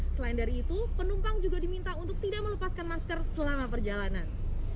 selain dari itu penumpang juga diminta untuk tidak melepaskan masker selama perjalanan